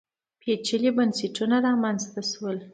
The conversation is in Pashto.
پېچلي بنسټونه رامنځته شول